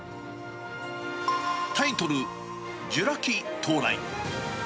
タイトル、ジュラ紀到来。